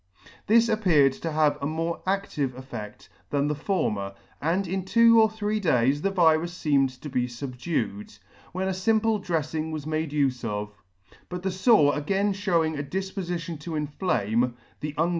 This appeared to have a more adtive effedt than the former C 10 3 ] former, and in two or three days the virus feemed to be fubdued, when a fimple drefling was made ufe of; but the fore again Chewing a difpofition to inflame, the ung.